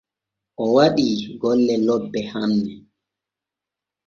O waɗii golle lobbe hanne.